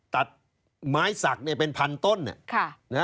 ตัดไม้สักเป็นพันต้น